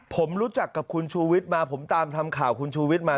ผมรู้จักกับคุณชูวิทย์มาผมตามทำข่าวคุณชูวิทย์มา